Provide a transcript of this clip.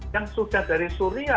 yang sudah dari suria